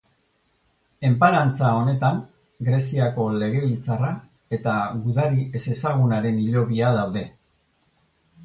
Enparantza honetan Greziako Legebiltzarra eta Gudari ezezagunaren hilobia daude.